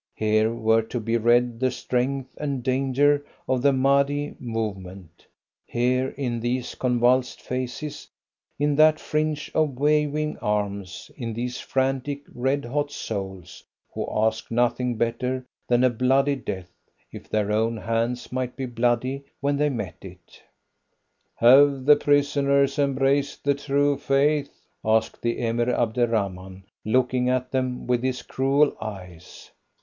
Here were to be read the strength and danger of the Mahdi movement; here in these convulsed faces, in that fringe of waving arms, in these frantic, red hot souls, who asked nothing better than a bloody death, if their own hands might be bloody when they met it. "Have the prisoners embraced the true faith?" asked the Emir Abderrahman, looking at them with his cruel eyes.